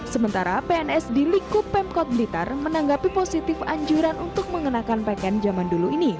sementara pns di liku pemkot blitar menanggapi positif anjuran untuk mengenakan pakaian zaman dulu ini